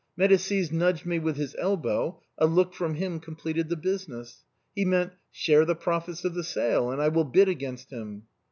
Medicis nudged me with his elbow : a look from him com pleted the business. He meant, ' share the profits of the sale, and I will bid against him.'